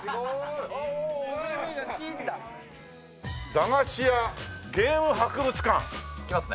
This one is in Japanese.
「駄菓子屋ゲーム博物館」いきますね。